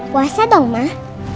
puasa dong mbak